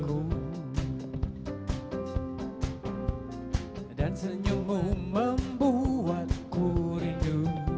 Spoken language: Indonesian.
ku ingin jumpa dengan kamu